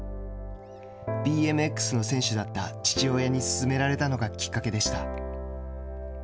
ＢＭＸの選手だった父親にすすめられたのがきっかけでした。